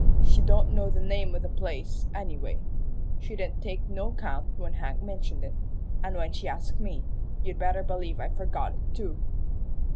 She don't know the name o' the place, anyway. She didn't take no 'count when Hank mentioned it, an' when she asked me, you'd better believe I forgot it, too."